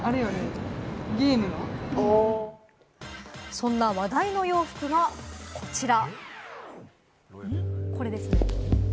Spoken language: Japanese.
そんな話題の洋服が、こちら。